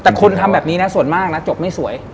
แต่คนทำแบบนี้นะส่วนมากนะจบไม่สวย